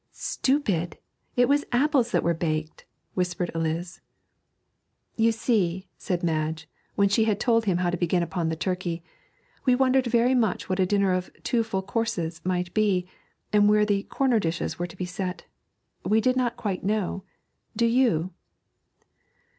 'Stupid! it was apples that were baked,' whispered Eliz. 'You see,' said Madge, when she had told him how to begin upon the turkey, 'we wondered very much what a dinner of "two full courses" might be, and where the "corner dishes" were to be set. We did not quite know do you?'